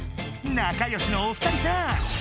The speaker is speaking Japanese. なかよしのお二人さん！